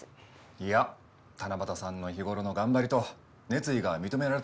いや七夕さんの日頃の頑張りと熱意が認められたからだよ。